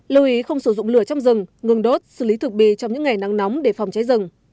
lưu ý không sử dụng lửa trong rừng ngừng đốt xử lý thực bì trong những ngày nắng nóng để phòng cháy rừng